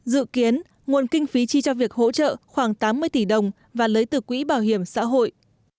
dự kiến nguồn kinh phí chi cho việc hỗ trợ khoảng tám mươi tỷ đồng và lấy từ quỹ bảo hiểm xã hội